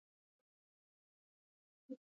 سيند راوتی دی، د سېلاب خطره ده